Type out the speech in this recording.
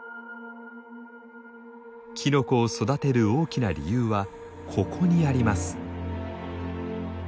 キノコを育てる大きな理由はここにあります。